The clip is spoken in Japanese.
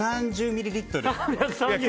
３３０ミリリットル。